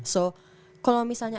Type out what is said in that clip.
so kalau misalnya